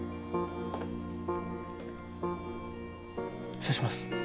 失礼します。